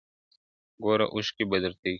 گوره اوښكي به در تـــوى كـــــــــړم,